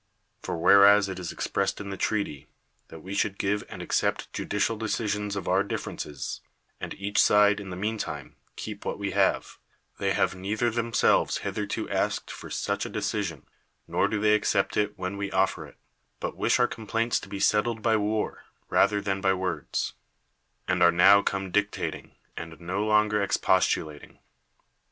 For whereas it is expressed in the treaty, that we should give and accept judicial decisions of our differences, and each side [in the mean time] keep what we have; they have neither themselves hitherto asked for such a de cision, nor do they accept it when we offer it; but wish our complaints to be settled by war ratlx'r tliaii by words; and are now come dicta ting, and no longer expostulating.